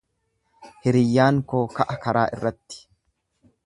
Hiriyyaan koo ka'a karaa irratti.